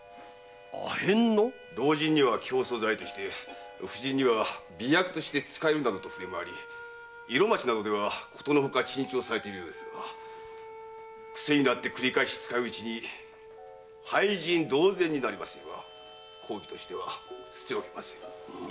阿片の⁉老人には強壮剤婦人には媚薬として使えると触れ回り色街ではことのほか珍重されているようですが癖になってくり返し使ううちに廃人同然になりますれば公儀としては捨て置けませぬ。